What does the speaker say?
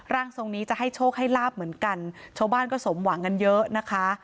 ร่างทรงนี้จะให้โชคให้ลาบเหมือนกันชาวบ้านก็สมหวังกันเยอะนะคะ